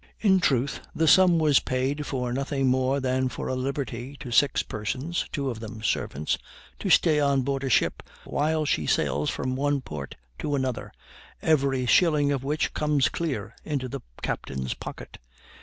In truth, the sum was paid for nothing more than for a liberty to six persons (two of them servants) to stay on board a ship while she sails from one port to another, every shilling of which comes clear into the captain's pocket.